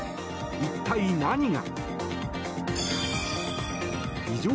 一体、何が。